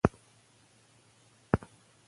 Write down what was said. هغه یو غلطه لاره غوره کړه.